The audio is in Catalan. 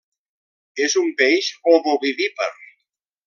És un peix ovovivípar.